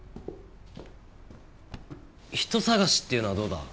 人捜しっていうのはどうだ？